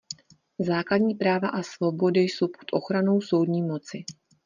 Základní práva a svobody jsou pod ochranou soudní moci.